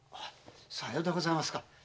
さようでございますか。